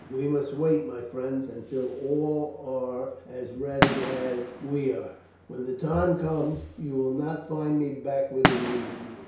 We must wait, my friends, until all are as ready as we are; when the time comes you will not find me backward in leading you."